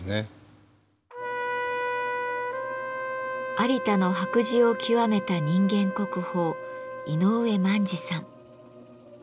有田の白磁を極めた人間国宝井上萬二さん。